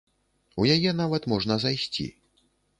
У яе нават можна зайсці.